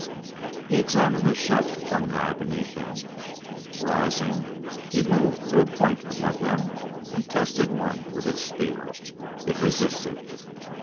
He examined the shelf fungi beneath him. Rising, he moved to a point above them and tested one with his spear. It resisted.